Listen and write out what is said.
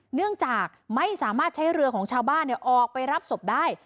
เนื่องจากไม่สามารถใช้เรือของชาวบ้านออกไปรับศพได้